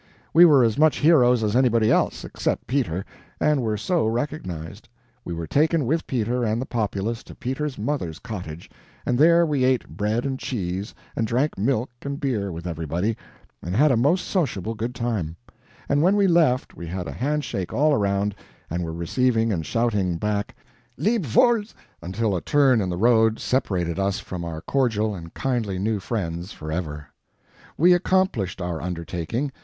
We were as much heroes as anybody else, except Peter, and were so recognized; we were taken with Peter and the populace to Peter's mother's cottage, and there we ate bread and cheese, and drank milk and beer with everybody, and had a most sociable good time; and when we left we had a handshake all around, and were receiving and shouting back LEB' WOHL's until a turn in the road separated us from our cordial and kindly new friends forever. We accomplished our undertaking.